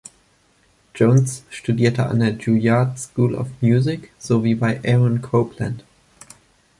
Jones studierte an der Juilliard School of Music sowie bei Aaron Copland.